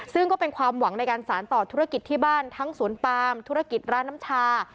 ซึ่งก็เป็นความหวังในการสารต่อธุรกิจที่บ้านทั้งสวนปามธุรกิจร้านน้ำชา